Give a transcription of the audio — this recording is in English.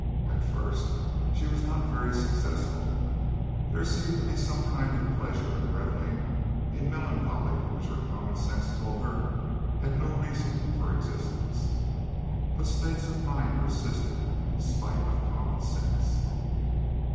And at first she was not very successful. There seemed to be some kind of pleasure in reveling in melancholy which her common sense told her had no reason for existence. But states of mind persisted in spite of common sense.